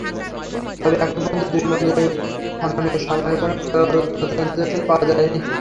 তবে এখন পর্যন্ত দুই মন্দিরের খননের সময়ে কোনো প্রত্ননিদর্শন পাওয়া যায়নি।